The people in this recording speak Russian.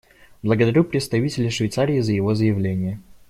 Благодарю представителя Швейцарии за его заявление.